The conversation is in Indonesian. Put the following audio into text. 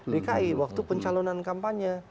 dki waktu pencalonan kampanye